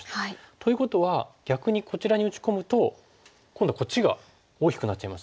ということは逆にこちらに打ち込むと今度はこっちが大きくなっちゃいますよね。